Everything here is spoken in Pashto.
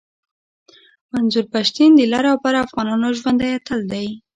منظور پشتین د لر او بر افغانانو ژوندی اتل دی